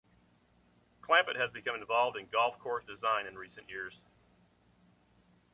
Clampett has become involved in golf course design in recent years.